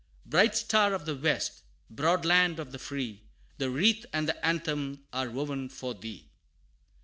Bright Star of the West broad Land of the Free, The wreath and the anthem are woven for thee!